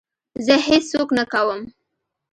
زه هېڅ څوک نه کوم.